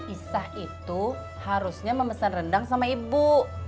isah itu harusnya memesan rendang sama ibu